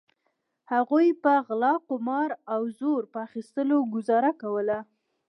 هغوی په غلا قمار او زور په اخیستلو ګوزاره کوله.